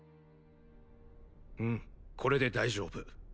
うんこれで大丈夫